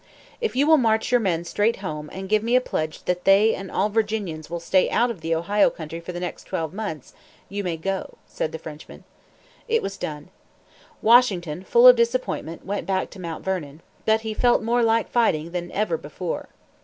"If you will march your men straight home, and give me a pledge that they and all Virginians will stay out of the Ohio Country for the next twelve months, you may go," said the Frenchman. It was done. Washington, full of disappointment went back to Mount Vernon. But he felt more like fighting than ever before.